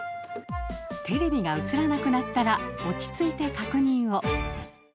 テレビが映らなくなったら落ち着いて確認を。